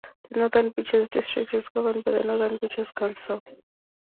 The Northern Beaches district is governed by the Northern Beaches Council.